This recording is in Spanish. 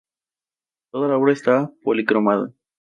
Toda la obra está policromada.